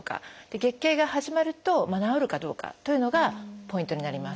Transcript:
月経が始まると治るかどうかというのがポイントになります。